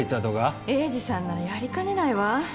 栄治さんならやりかねないわ。